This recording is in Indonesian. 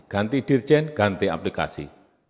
ganti dirjen ganti aplikasi